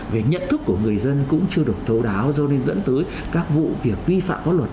về nhận thức của người dân cũng chưa được thấu đáo do nên dẫn tới các vụ việc vi phạm pháp luật